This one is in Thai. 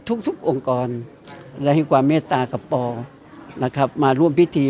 ทุกองค์กรและให้ความเมตตากับปอนะครับมาร่วมพิธี